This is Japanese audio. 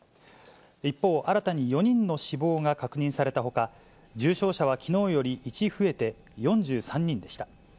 一方、新たに４人の死亡が確認されたほか、重症者はきのうより１増えて、４３人でした。